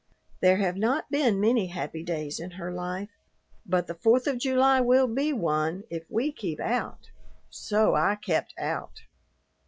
There have not been many happy days in her life, but the Fourth of July will be one if we keep out." So I kept out.